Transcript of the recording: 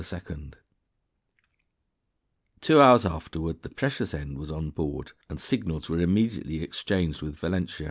Two hours afterward the precious end was on board, and signals were immediately exchanged with Valentia.